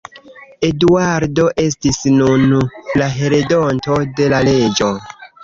Eduardo estis nun la heredonto de la reĝo.